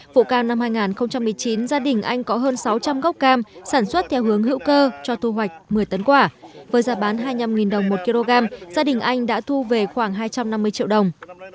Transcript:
vụ cam năm hai nghìn một mươi chín gia đình anh có hơn sáu trăm linh gốc cam sản xuất theo hướng hữu cơ cho thu hoạch một mươi tấn quả với giá bán hai mươi năm đồng một kg gia đình anh đã thu về khoảng hai trăm năm mươi triệu đồng